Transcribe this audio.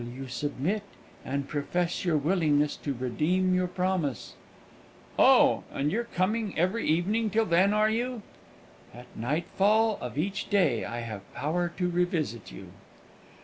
"Till you submit, and profess your willingness to redeem your promise." "Oh, and you're coming every evening till then, are you?" "At nightfall of each day I have power to revisit you."